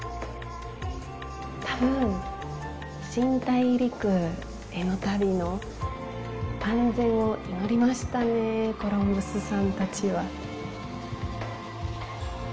多分、新大陸への旅の安全を祈りましたね、コロンブスさんたちは。